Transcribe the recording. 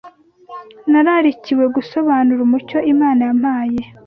Nararikiwe gusobanura umucyo Imana yampaye